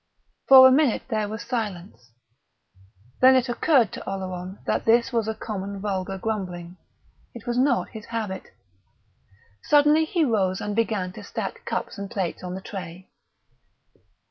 For a minute there was a silence. Then it occurred to Oleron that this was common vulgar grumbling. It was not his habit. Suddenly he rose and began to stack cups and plates on the tray.